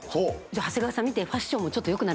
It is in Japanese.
長谷川さん見てファッションもちょっと良くなりましたよ。